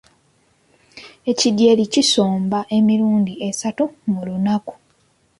Ekidyeri kisomba emirundi esatu mu lunaku.